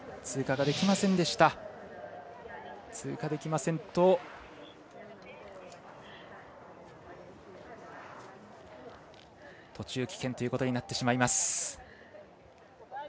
通過できませんと途中棄権ということになってしまいます。